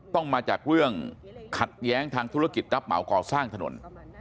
ต้องมาจากเรื่องขัดแย้งทางธุรกิจรับเหมาก่อสร้างถนน